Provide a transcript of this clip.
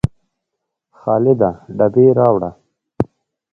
خالده ډبې راوړه